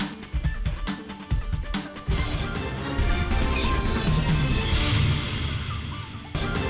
berlangganan dari dari